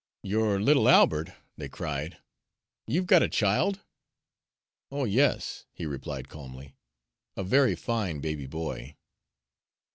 "Your little Albert!" they cried. "You've got a child?" "Oh, yes," he replied calmly, "a very fine baby boy."